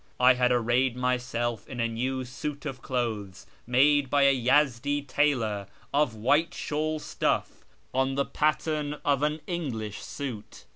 I had arrayed myself in a new suit of clothes, made by a Yezdi tailor, of white shawl stuff, on the pattern of an English suit.